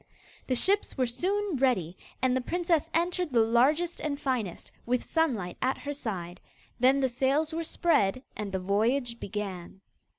The ships were soon ready, and the princess entered the largest and finest, with Sunlight at her side. Then the sails were spread and the voyage began.